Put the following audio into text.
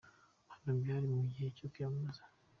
Hano byari mu gihe cyo kwiyamamaza.